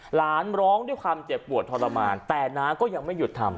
ร้องด้วยความเจ็บปวดทรมานแต่น้าก็ยังไม่หยุดทำ